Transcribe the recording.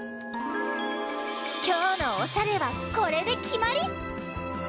きょうのおしゃれはこれできまり！